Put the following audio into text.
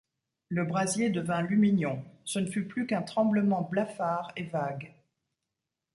Le brasier devint lumignon, ce ne fut plus qu’un tremblement blafard et vague.